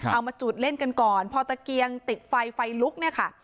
เอามาจุดเล่นกันก่อนพอตะเกียงติดไฟไฟลุกเนี่ยค่ะ